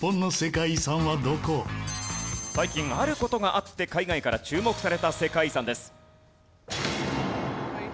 最近ある事があって海外から注目された世界遺産です。